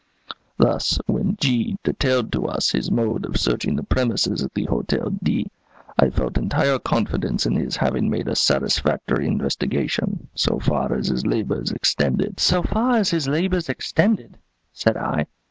Thus, when G detailed to us his mode of searching the premises at the Hotel D , I felt entire confidence in his having made a satisfactory investigation, so far as his labours extended." "'So far as his labours extended'?" said I.